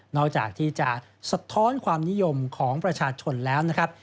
จากที่จะสะท้อนความนิยมของประชาชนแล้วนะครับ